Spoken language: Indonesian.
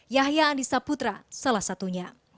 yahya andisa putra salah satunya